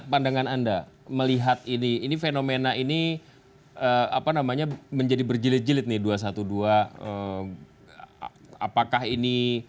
pandangan anda melihat ini ini fenomena ini apa namanya menjadi berjelit tetapi dua ratus dua belas em apakah ini